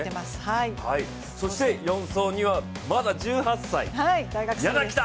そして４走には、まだ１８歳柳田！